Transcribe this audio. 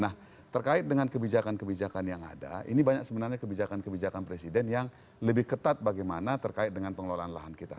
nah terkait dengan kebijakan kebijakan yang ada ini banyak sebenarnya kebijakan kebijakan presiden yang lebih ketat bagaimana terkait dengan pengelolaan lahan kita